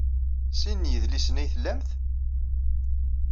Sin n yidlisen ay tlamt?